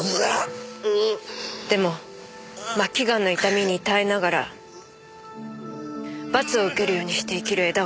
でも末期ガンの痛みに耐えながら罰を受けるようにして生きる江田を見たら。